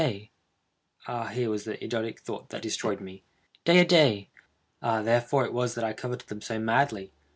_—ah here was the idiotic thought that destroyed me! Des idées!—ah, therefore it was that I coveted them so madly!